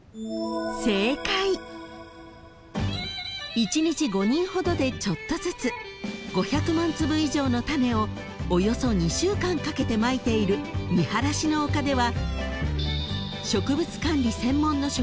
［１日５人ほどでちょっとずつ５００万粒以上の種をおよそ２週間かけてまいているみはらしの丘では］